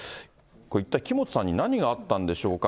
これ、一体、木本さんに何があったんでしょうか。